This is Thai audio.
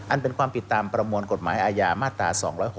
อันเป็นความผิดตามประมวลกฎหมายอาญามาตรา๒๖๖